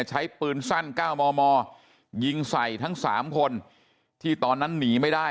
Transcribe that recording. ใช้ปืนสั้น๙มมยิงใส่ทั้ง๓คนที่ตอนนั้นหนีไม่ได้